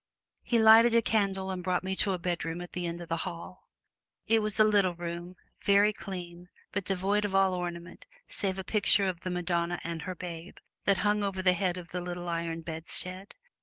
He lighted a candle and took me to a bedroom at the end of the hall. It was a little room, very clean, but devoid of all ornament, save a picture of the Madonna and her Babe, that hung over the head of the little iron bedstead.